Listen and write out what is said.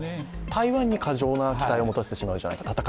台湾に過剰な期待を持たせてしまうんじゃないかと。